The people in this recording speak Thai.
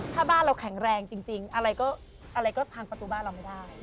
ถ้าบ้านเราแข็งแรงจริงอะไรก็อะไรก็พังประตูบ้านเราไม่ได้